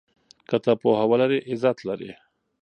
که ته پوهه ولرې عزت لرې.